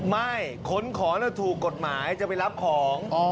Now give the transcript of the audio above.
ไม่ขนขอน่ะถูกกฎหมายจะไปรับของ